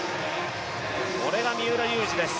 これが三浦龍司です。